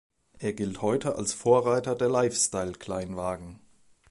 Er gilt heute als Vorreiter der Lifestyle-Kleinwagen.